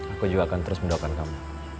aku juga akan terus mendoakan kamu